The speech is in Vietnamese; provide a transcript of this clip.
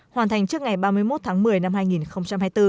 hoàn thành trước ngày ba mươi một tháng một mươi năm hai nghìn hai mươi bốn